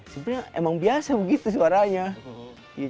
sebenarnya emang biasa begitu suaranya